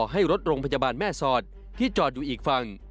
ให้รถโรงพยาบาลแม่สอดที่จอดอยู่อีกฝั่ง